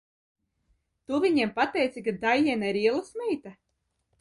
Tu viņiem pateici, ka Daiena ir ielasmeita?